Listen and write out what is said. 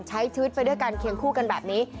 ใช้ชีวิตไปด้วยกันเคียงคู่กันแบบนี้